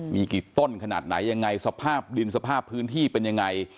มีกี่ต้นขนาดไหนยังไงสภาพดินสภาพพื้นที่เป็นยังไง